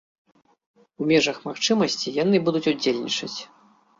У межах магчымасці яны будуць удзельнічаць.